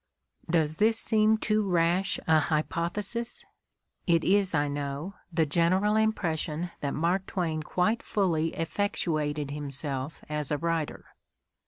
Does this seem too rash a hypothesis ? It is, I know, the general impression that Mark Twain quite fully effectuated himself as a writer.